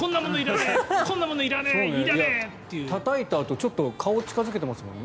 たたいたあとちょっと顔を近付けてますよね。